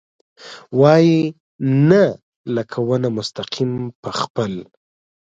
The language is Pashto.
وايي ، نه ، لکه ونه مستقیم په خپل ...